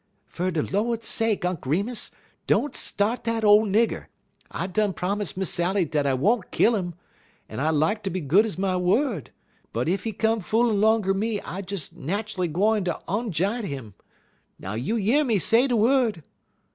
"Fer de Lord sake, Unk' Remus, don't start dat ole nigger. I done promise Miss Sally dat I won't kill 'im, en I like ter be good ez my word; but ef he come foolin' longer me I'm des nat'ally gwine ter onj'int 'im. Now you year me say de word."